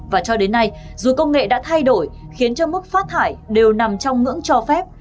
và cho đến nay dù công nghệ đã thay đổi khiến cho mức phát thải đều nằm trong ngưỡng cho phép